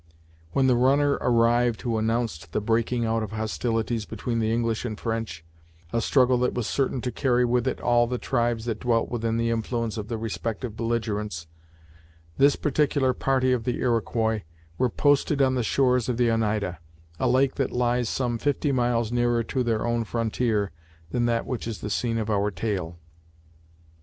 When the runner arrived who announced the breaking out of hostilities between the English and French a struggle that was certain to carry with it all the tribes that dwelt within the influence of the respective belligerents this particular party of the Iroquois were posted on the shores of the Oneida, a lake that lies some fifty miles nearer to their own frontier than that which is the scene of our tale.